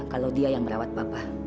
kalau dia yang merawat bapak